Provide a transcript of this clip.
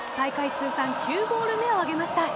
通算９ゴール目を挙げました。